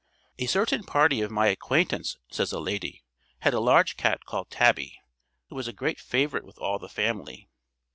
"A certain party of my acquaintance," says a lady, "had a large cat called Tabby, who was a great favourite with all the family.